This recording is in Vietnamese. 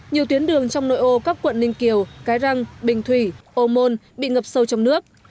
nhiều tuyến đường trong nội ô các quận ninh kiều cái răng bình thủy ô môn bị ngập sâu trong nước